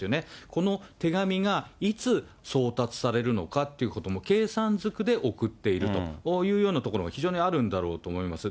この手紙が、いつ送達されるのかということも計算ずくで送っているというようなところも非常にあるんだろうと思います。